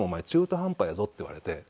「中途半端やぞ」って言われて。